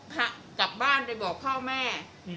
กลับบ้านไปบอกพ่อแม่